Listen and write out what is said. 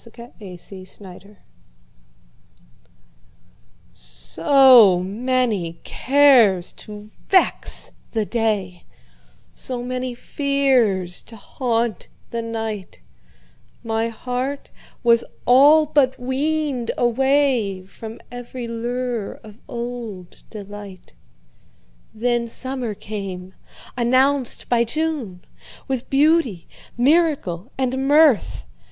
Summer Magic SO many cares to vex the day, So many fears to haunt the night, My heart was all but weaned awayFrom every lure of old delight. Then summer came, announced by June, With beauty, miracle and mirth.